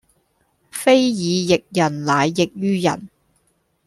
非以役人乃役於人